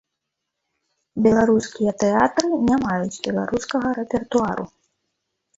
Беларускія тэатры не маюць беларускага рэпертуару.